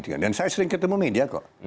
dan saya sering ketemu media kok